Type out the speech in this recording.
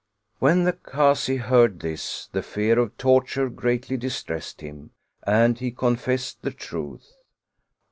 When the Kazi heard this, the fear of torture greatly distressed him, and he confessed the truth.